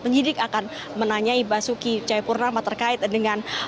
penyidik akan menanyai basuki cahayapurnama terkait dengan